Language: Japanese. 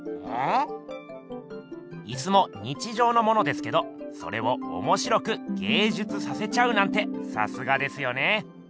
椅子も日じょうのものですけどそれをおもしろく芸術させちゃうなんてさすがですよね。